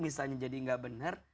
misalnya jadi tidak benar